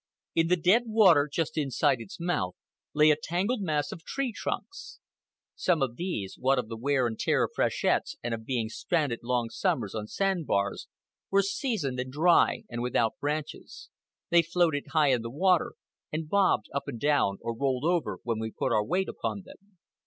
In the dead water, just inside its mouth, lay a tangled mass of tree trunks. Some of these, what of the wear and tear of freshets and of being stranded long summers on sand bars, were seasoned and dry and without branches. They floated high in the water, and bobbed up and down or rolled over when we put our weight upon them.